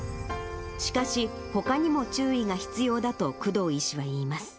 しかし、ほかにも注意が必要だと工藤医師は言います。